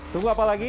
tunggu apa lagi